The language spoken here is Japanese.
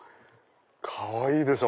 かわいいでしょ。